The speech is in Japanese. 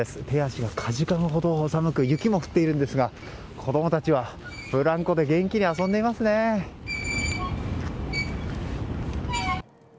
手足がかじかむほど寒く雪も降っているんですが子供たちはブランコで元気に遊んでいますね。